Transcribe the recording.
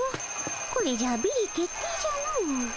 これじゃビリ決定じゃの。